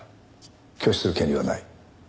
拒否する権利はない。